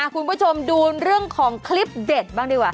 คุณผู้ชมดูเรื่องของคลิปเด็ดบ้างดีกว่า